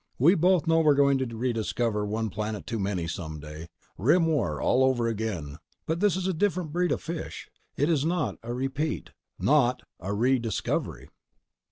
"We both know we're going to rediscover one planet too many some day. Rim War all over again. But this is a different breed of fish. It's not, repeat, not a re discovery."